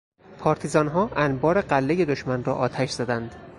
پارتیزانها انبار غلهٔ دشمن را آتش زدند.